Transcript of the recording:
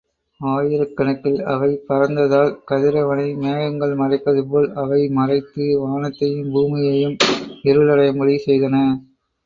ஆயிரக்கணக்கில் அவை பறந்ததால், கதிரவனை மேகங்கள் மறைப்பது போல், அவை மறைத்து, வானத்தையும் பூமியையும் இருளடையும்படி செய்தன.